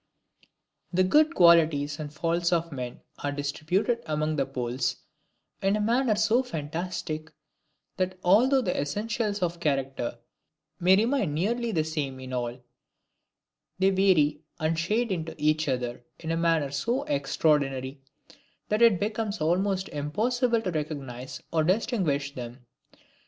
The good qualities and faults of men are distributed among the Poles in a manner so fantastic, that, although the essentials of character may remain nearly the same in all, they vary and shade into each other in a manner so extraordinary, that it becomes almost impossible to recognize or distinguish them.